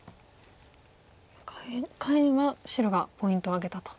下辺は白がポイントを挙げたと。